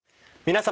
皆様。